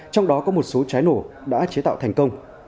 trong đó có một số trái nổ đã chế tạo thành công